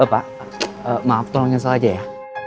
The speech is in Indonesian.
eh pak maaf tolong yang salah aja ya